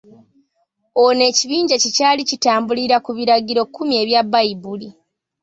Ono ekibinja kye kyali kitambulirira ku biragiro kumi ebya Bbayibbuli .